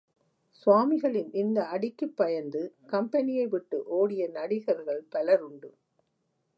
சுவாமிகளின் இந்த அடிக்குப் பயந்து கம்பெனியை விட்டு ஓடிய நடிகர்கள் பலருண்டு.